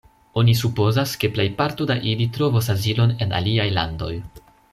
Oni supozas, ke plejparto da ili trovos azilon en aliaj landoj.